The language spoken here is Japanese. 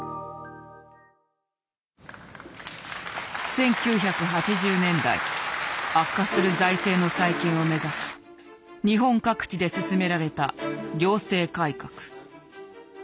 １９８０年代悪化する財政の再建を目指し日本各地で進められた行政改革。